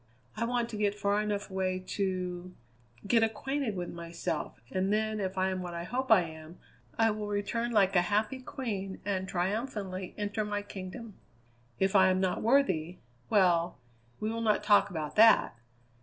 I want to get far enough away to get acquainted with myself, and then if I am what I hope I am, I will return like a happy queen and triumphantly enter my kingdom. If I am not worthy well, we will not talk about that!